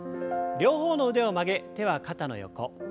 両方の腕を曲げ手は肩の横。